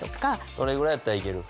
それぐらいやったらいける？